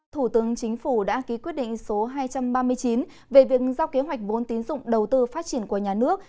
thủ tướng chính phủ đã ký quyết định số hai trăm ba mươi chín về việc giao kế hoạch vốn tín dụng đầu tư phát triển của nhà nước